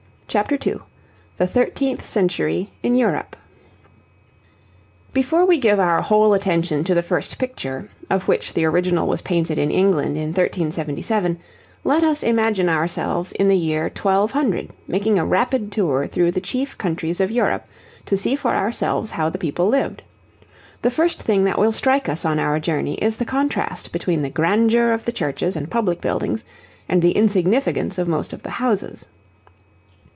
CHAPTER II THE THIRTEENTH CENTURY IN EUROPE Before we give our whole attention to the first picture, of which the original was painted in England in 1377, let us imagine ourselves in the year 1200 making a rapid tour through the chief countries of Europe to see for ourselves how the people lived. The first thing that will strike us on our journey is the contrast between the grandeur of the churches and public buildings and the insignificance of most of the houses.